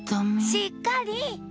しっかり！